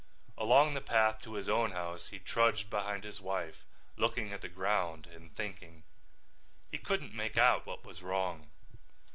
Along the path to his own house he trudged behind his wife, looking at the ground and thinking. He couldn't make out what was wrong.